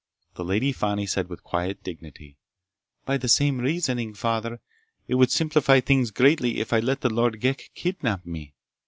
The Lady Fani said with quiet dignity: "By the same reasoning, Father, it would simplify things greatly if I let the Lord Ghek kidnap me."